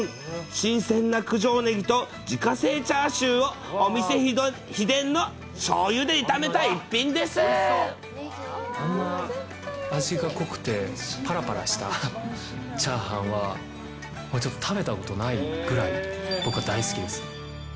新鮮な九条ネギと自家製チャーシューを、お店秘伝のしょうゆで炒あんな味が濃くて、ぱらぱらしたチャーハンは、食べたことないぐらい、僕は大好きです。